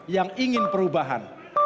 yang ingin perubahan